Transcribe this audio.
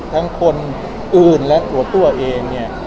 ทั้งคนอื่นและตัวตัวเองเนี่ย